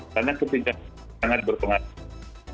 karena ketiga sangat berpengaruh